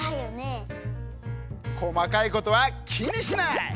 こまかいことはきにしない！